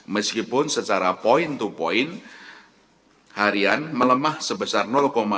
meskipun secara point to point harian melemah sebesar dua puluh empat dibandingkan dengan level akhir januari dua ribu dua puluh